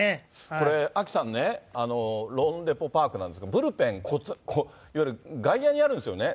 これ、アキさんね、ローンデポ・パークなんですが、ブルペン、いわゆる外野にあるんですよね、